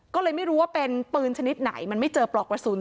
ก็เลยไม่รู้ว่าเป็นปืนชนิดไหนมันไม่เจอปลอกกระสุน